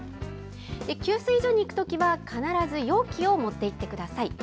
給水所に行くときは必ず容器を持っていってください。